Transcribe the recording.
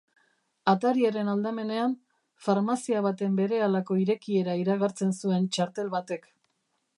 Atariaren aldamenean, farmazia baten berehalako irekiera iragartzen zuen txartel batek.